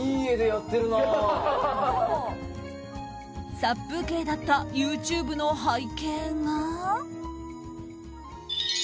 殺風景だったＹｏｕＴｕｂｅの背景が。